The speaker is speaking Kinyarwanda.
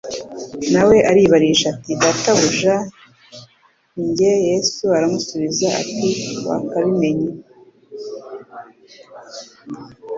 nawe aribarisha ati : "Databuja ni njye?" Yesu aramusubiza ati: "Wakabimenye."